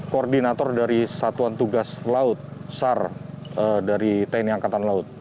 koordinator dari satuan tugas laut sar dari tni angkatan laut